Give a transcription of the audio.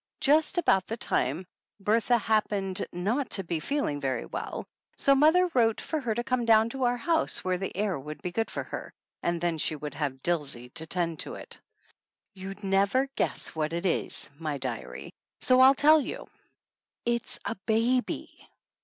Just about that time Bertha hap pened not to be feeling very well, so mother wrote for her to come down to our house where the air would be good for her, and then she would have Dilsey to tend to it. You'd never guess what it is, my diary, so I'll tell you. It's a baby